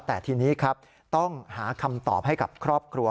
แต่ทีนี้ครับต้องหาคำตอบให้กับครอบครัว